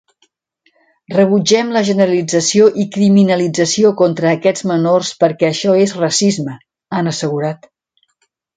Rebutgem la generalització i criminalització contra aquests menors perquè això és racisme, han assegurat.